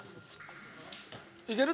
いける？